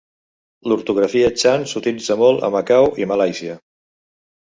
L'ortografia Chan s'utilitza molt a Macau i Malàisia.